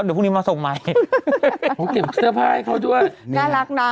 เดี๋ยวพรุ่งนี้มาส่งใหม่ผมเก็บเสื้อผ้าให้เขาด้วยน่ารักนะ